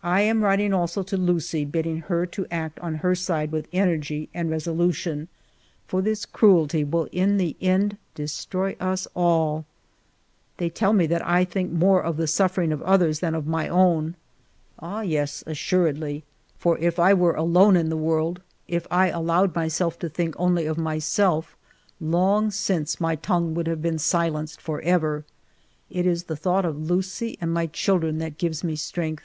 I am writing also to Lucie, bidding her to act on her side with energy and resolution, for this cruelty will in the end destroy us all. They tell me that I think more of the suffer ings of others than of my own. Ah, yes, assuredly, for if I were alone in the world, if I allowed 172 FIVE YEARS OF MY LIFE myself to think only of myself, long since my tongue would have been silenced forever. It is the thought of Lucie and my children that gives me strength.